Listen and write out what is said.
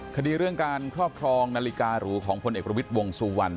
คดีเรื่องการครอบครองนาฬิการูของพลเอกประวิทย์วงสุวรรณ